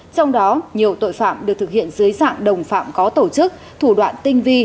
trong đó nhiều tội phạm được thực hiện dưới dạng đồng phạm có tổ chức thủ đoạn tinh vi